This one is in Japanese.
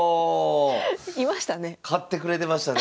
いましたね。